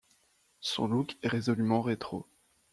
Son look est résolument rétro.